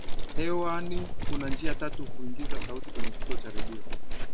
hewani kuna njia tatu za kuingiza sauti kwenye kituo cha redio